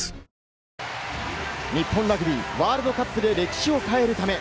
日本ラグビー、ワールドカップで歴史を変えるため、